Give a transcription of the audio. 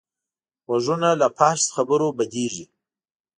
غوږونه له فحش خبرو بدېږي